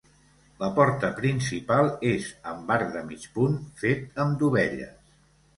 La porta principal és amb arc de mig punt, fet amb dovelles.